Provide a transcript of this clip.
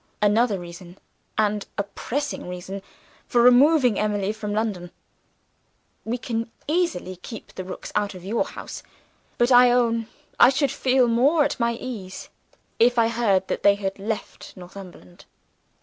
Another reason, and a pressing reason, for removing Emily from London! We can easily keep the Rooks out of your house; but I own I should feel more at my ease, if I heard that they had left Northumberland."